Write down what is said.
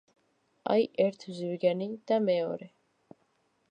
აი, ერთი ზვიგენი და მეორე.